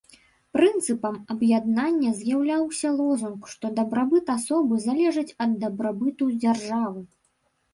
Прынцыпам аб'яднання з'яўляўся лозунг, што дабрабыт асобы залежыць ад дабрабыту дзяржавы.